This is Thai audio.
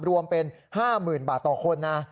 รวมเป็น๕๐๐๐บาทต่อคนนะ